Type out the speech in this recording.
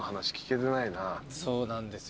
そうなんですよ。